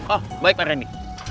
oh baik pak reni